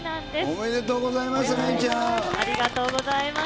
おめでとうございます。